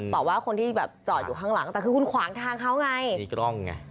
บอกว่าคนที่แบบจอดอยู่ข้างหลังแต่คือคุณขวางทางเขาไงมีกล้องไง